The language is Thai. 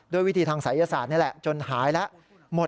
วิธีทางศัยศาสตร์นี่แหละจนหายแล้ว